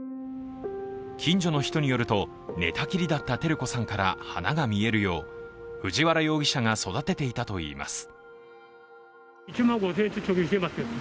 近所の人によると、寝たきりだった照子さんから花が見えるよう、藤原容疑者が育てていたといいます。